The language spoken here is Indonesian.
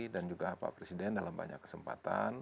dan juga pak presiden dalam banyak kesempatan